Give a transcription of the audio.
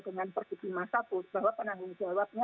dengan persikiman satu bahwa penanggung jawabnya